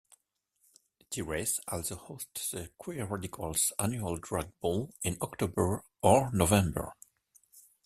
Terrace also hosts the Queer Radicals' annual Drag Ball in October or November.